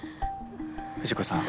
藤子さん。